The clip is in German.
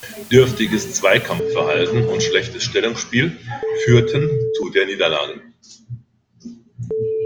Dürftiges Zweikampfverhalten und schlechtes Stellungsspiel führten zu der Niederlage.